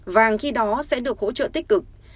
vàng khi đó sẽ được hỗ trợ tích cực